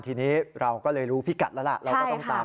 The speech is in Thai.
ทีนี้เราก็เลยรู้พิกัดแล้วล่ะ